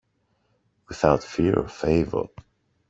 Without fear or favour.